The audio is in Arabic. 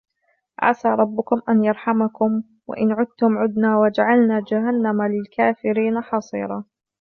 عَسَى رَبُّكُمْ أَنْ يَرْحَمَكُمْ وَإِنْ عُدْتُمْ عُدْنَا وَجَعَلْنَا جَهَنَّمَ لِلْكَافِرِينَ حَصِيرًا